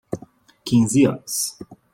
Quinze anos